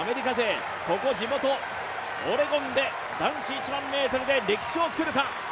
ここ地元・オレゴンで男子１００００ｍで歴史を作るか。